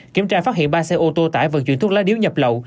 kiểm tra phát hiện ba xe ô tô tải vận chuyển thuốc lá điếu nhập lậu